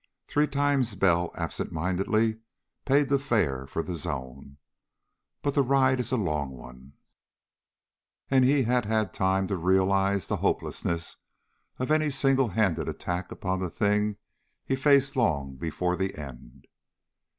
Three times Bell absent mindedly paid the fare for the zone. But the ride is a long one, and he had had time to realize the hopelessness of any single handed attack upon the thing he faced long before the end.